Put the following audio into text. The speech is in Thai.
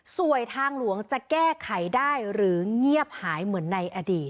ส่วนทางหลวงจะแก้ไขได้หรือเงียบหายเหมือนในอดีต